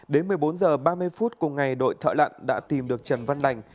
đến một mươi bốn giờ ba mươi phút cùng ngày đội thợ lặn đã tìm được trần văn lành